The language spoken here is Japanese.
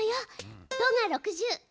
「ド」が６０。